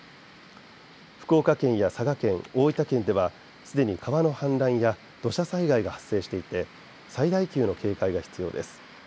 福岡県や佐賀県、大分県ではすでに川の氾濫や土砂災害が発生していて最大級の警戒が必要です。